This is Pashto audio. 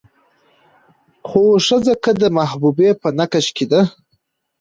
خو ښځه که د محبوبې په نقش کې ده